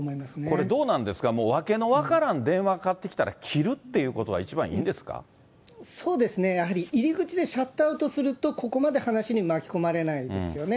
これどうなんですか、もう訳の分からん電話がかかってきたら、切るっていうことが一番そうですね、やはり入り口でシャットアウトするとここまで話に巻き込まれないですよね。